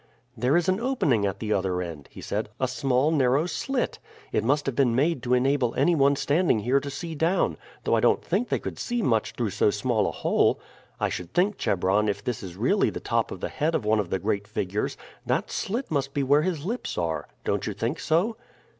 "There is an opening at the other end," he said; "a small narrow slit. It must have been made to enable any one standing here to see down, though I don't think they could see much through so small a hole. I should think, Chebron, if this is really the top of the head of one of the great figures, that slit must be where his lips are. Don't you think so?"